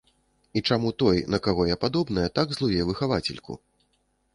І чаму той, на каго я падобная, так злуе выхавацельку?